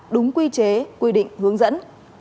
đúng quy chế quy định hướng dẫn